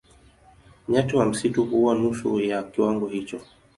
Nyati wa msitu huwa nusu ya kiwango hicho.